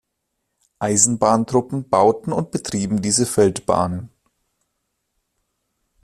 Eisenbahntruppen bauten und betrieben diese Feldbahnen.